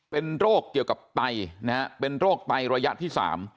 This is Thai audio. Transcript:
เป็นโรคเกี่ยวกับไตนะฮะเป็นโรคไตระยะที่๓